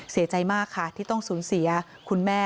เสียใจมากค่ะที่ต้องสูญเสียคุณแม่